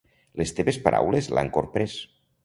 Les teves paraules l'han corprès.